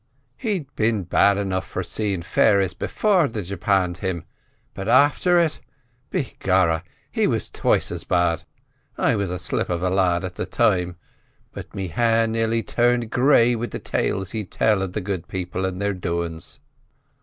"He'd been bad enough for seein' fairies before they japanned him, but afther it, begorra, he was twiced as bad. I was a slip of a lad at the time, but me hair near turned grey wid the tales he'd tell of the Good People and their doin's.